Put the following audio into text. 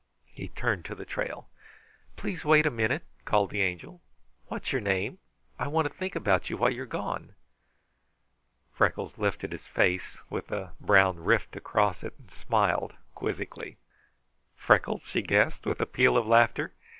He turned to the trail. "Please wait a minute," called the Angel. "What's your name? I want to think about you while you are gone." Freckles lifted his face with the brown rift across it and smiled quizzically. "Freckles?" she guessed, with a peal of laughter.